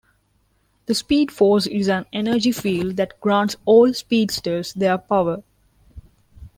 The Speed Force is an energy field that grants all speedsters their power.